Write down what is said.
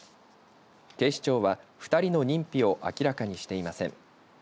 警視庁は２人の認否を明らかにしていません。